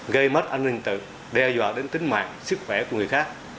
gây mất an ninh tự đe dọa đến tính mạng sức khỏe của người khác